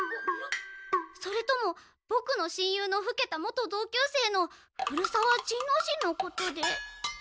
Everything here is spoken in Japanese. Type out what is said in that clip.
それともボクの親友のふけた元同級生の古沢仁之進のことで？